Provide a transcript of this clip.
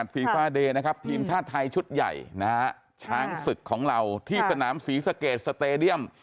ฟีฟาเดย์นะครับทีมชาติไทยชุดใหญ่นะฮะช้างศึกของเราที่สนามศรีสะเกดสเตดียม